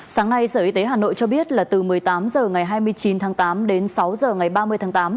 sáng nay sở y tế hà nội cho biết là từ một mươi tám h ngày hai mươi chín tháng tám đến sáu h ngày ba mươi tháng tám